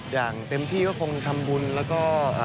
อย่างเต็มที่ก็คงทำบุญแล้วก็